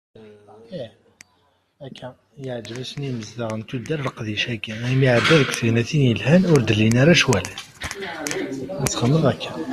Yeɛǧeb-asen i yimezdaɣ n tuddar, leqdic-agi, imi iɛedda deg tegnatin yelhan, ur d-llin ara ccwalat.